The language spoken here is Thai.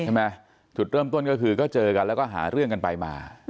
จุดเริ่มต้นก็คือก็เจอกันแล้วก็หาเรื่องกันไปมา